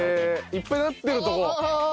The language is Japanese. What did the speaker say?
いっぱいなってるとこ。